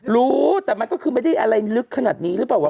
รู้แต่มันก็คือไม่ได้อะไรลึกขนาดนี้หรือเปล่าวะ